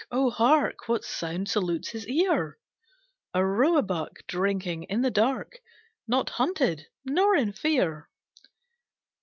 oh hark What sound salutes his ear! A roebuck drinking in the dark, Not hunted, nor in fear.